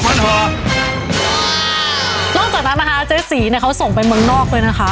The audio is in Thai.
นอกจากนั้นนะคะเจ๊สีเนี่ยเขาส่งไปเมืองนอกด้วยนะคะ